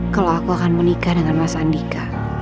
kalau aku akan menikah dengan mas andika